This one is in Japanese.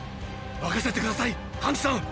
任せて下さいハンジさん！！